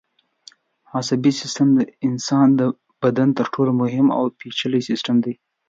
عصبي سیستم د انسان د بدن تر ټولو مهم او پېچلی سیستم دی.